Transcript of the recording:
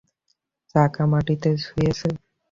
চাকা মাটিতে ছুঁয়েছে?